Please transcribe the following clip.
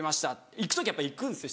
行く時やっぱ行くんですよ